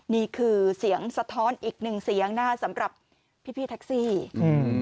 นี่คือเสียงสะท้อนอีกหนึ่งเสียงนะคะสำหรับพี่พี่แท็กซี่อืม